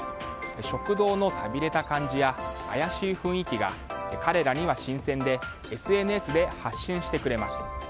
食堂のさびれた感じや怪しい雰囲気が彼らには新鮮でＳＮＳで発信してくれます。